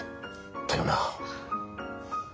だよな。